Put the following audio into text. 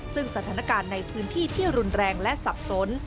ซึ่งสถานการณ์ในพื้นที่ที่รุนแรงและสับสน